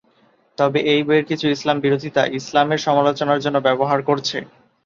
তবে এই বইয়ের কিছু ইসলাম বিরোধিতা ইসলামের সমালোচনার জন্য ব্যবহার করছে।